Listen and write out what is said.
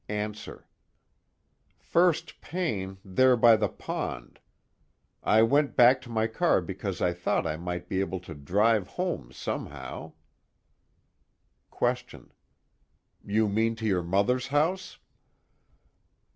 ANSWER: First pain, there by the pond. I went back to my car because I thought I might be able to drive home somehow QUESTION: You mean to your mother's house?